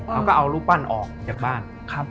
เขาก็เอารูปปั้นออกจากบ้าน